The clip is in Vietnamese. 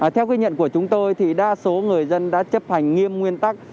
theo ghi nhận của chúng tôi thì đa số người dân đã chấp hành nghiêm nguyên tắc